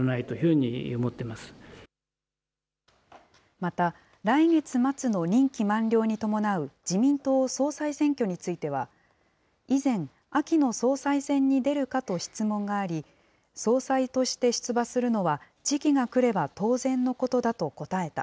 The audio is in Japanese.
また来月末の任期満了に伴う自民党総裁選挙については、以前、秋の総裁選に出るかと質問があり、総裁として出馬するのは時期が来れば当然のことだと答えた。